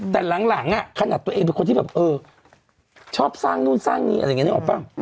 แต่หลังขนาดตัวเองเป็นคนที่แบบเออชอบสร้างนู่นสร้างนี่อะไรอย่างนี้นึกออกป่ะ